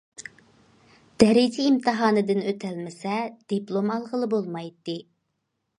دەرىجە ئىمتىھانىدىن ئۆتەلمىسە دىپلوم ئالغىلى بولمايتتى.